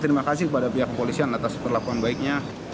terima kasih kepada pihak kepolisian atas perlakuan baiknya